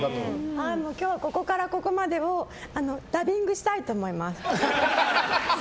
今日はここからここまでをダビングしたいと思います。